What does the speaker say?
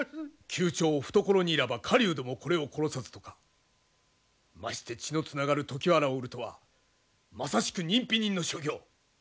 「窮鳥懐に入らば狩人もこれを殺さず」とか。まして血のつながる常磐らを売るとはまさしく人非人の所業。